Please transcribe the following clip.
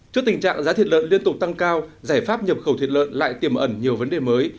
trước tình trạng giá thịt lợn liên tục tăng cao giải pháp nhập khẩu thịt lợn lại tiềm ẩn nhiều vấn đề mới